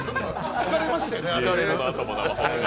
疲れましたよね。